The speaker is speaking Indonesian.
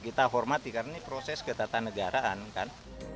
kita hormati karena ini proses ketatanegaraan kan